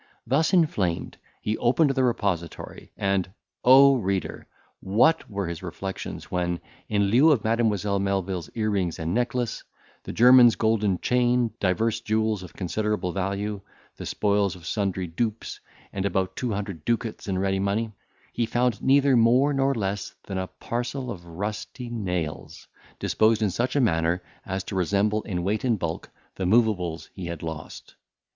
Thus inflamed, he opened the repository, and, O reader! what were his reflections, when, in lieu of Mademoiselle Melvil's ear rings and necklace, the German's golden chain, divers jewels of considerable value, the spoils of sundry dupes, and about two hundred ducats in ready money, he found neither more nor less than a parcel of rusty nails, disposed in such a manner as to resemble in weight and bulk the moveables he had lost.